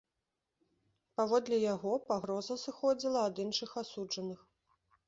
Паводле яго, пагроза сыходзіла ад іншых асуджаных.